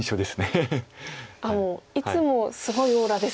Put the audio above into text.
もういつもすごいオーラですが。